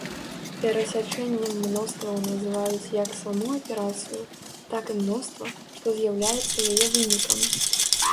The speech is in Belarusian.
Перасячэннем мностваў называюць як саму аперацыю, так і мноства, што з'яўляецца яе вынікам.